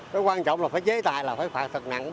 cái quan trọng là phải chế tài là phải phạt thật nặng